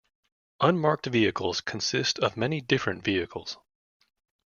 Unmarked vehicles consist of many different vehicles.